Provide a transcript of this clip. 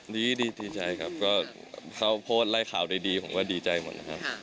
ดีดีใจครับก็ข้าวโพดไล่ข่าวดีผมก็ดีใจหมดนะครับ